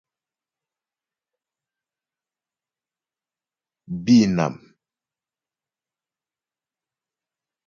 Bînàm.